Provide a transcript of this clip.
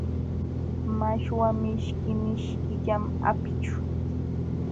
Mashwa mishki mishkillam apićhu.